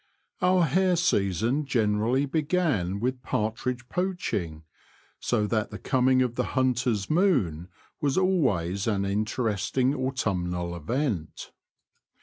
/^ U^ hare season generally began with \iy partridge poaching, so that the coming of the hunter's moon was always an in teresting autumnal event.